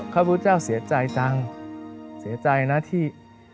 พระพุทธเจ้าเสียใจจังเสียใจนะที่